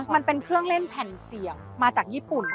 มันเป็นเครื่องเล่นแผ่นเสี่ยงมาจากญี่ปุ่น